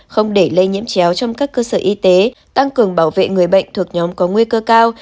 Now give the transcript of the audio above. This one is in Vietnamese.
không để lây nhiễm chéo trong các cơ sở y tế tăng cường bảo vệ người bệnh thuộc nhóm có nguy cơ cao